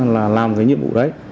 là làm cái nhiệm vụ đấy